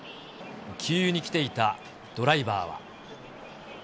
給油に来ていたドライバーは。